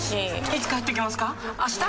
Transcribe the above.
いつ帰ってきますか？